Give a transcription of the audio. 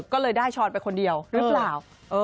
ก็เลยได้ช้อนไปคนเดียวหรือเปล่า